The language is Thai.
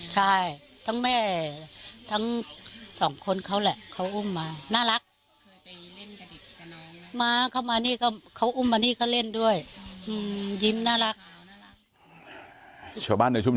ใช่ทั้งแม่ทั้งสองคนเขาแหละเขาอุ้มมาน่ารัก